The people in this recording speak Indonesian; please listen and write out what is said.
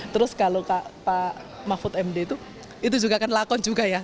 terus kalau pak mahfud md itu itu juga kan lakon juga ya